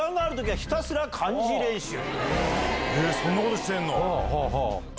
そんなことしてんの？